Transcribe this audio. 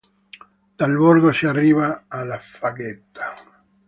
Dal Borgo si arriva alla "faggeta".